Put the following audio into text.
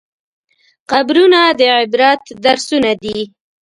قبرونه د عبرت درسونه دي.